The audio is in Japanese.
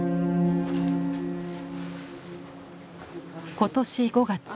今年５月。